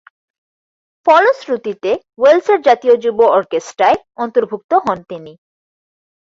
ফলশ্রুতিতে ওয়েলসের জাতীয় যুব অর্কেস্টায় অন্তর্ভুক্ত হন তিনি।